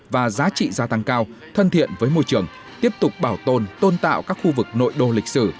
và giá trị gia tăng cao thân thiện với môi trường tiếp tục bảo tồn tôn tạo các khu vực nội đô lịch sử